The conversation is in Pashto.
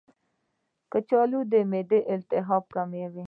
کچالو د معدې التهاب کموي.